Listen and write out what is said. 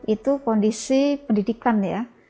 itu kondisi pendidikan ya